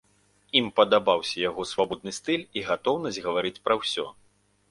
Ім падабаўся яго свабодны стыль і гатоўнасць гаварыць пра ўсё.